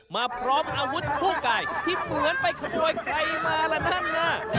มาพร้อมอาวุธคู่กายที่เหมือนไปขโมยใครมาละนั่นน่ะ